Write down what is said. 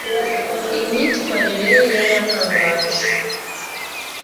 imyitwarire ye yarantangaje